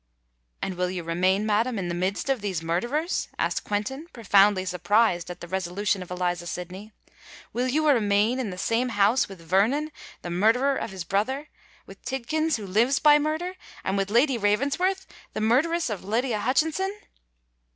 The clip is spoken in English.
"And will you remain, madam, in the midst of these murderers?" asked Quentin, profoundly surprised at the resolution of Eliza Sydney:—"will you remain in the same house with Vernon, the murderer of his brother,—with Tidkins, who lives by murder,—and with Lady Ravensworth the murderess of Lydia Hutchinson?